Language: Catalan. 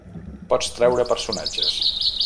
Pots treure personatges.